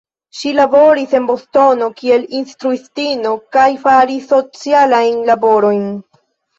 Ŝi laboris en Bostono kiel instruistino kaj faris socialajn laborojn.